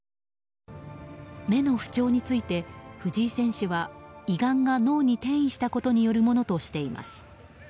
目の不調について、藤井選手は胃がんが脳に転移したことによるものとしています。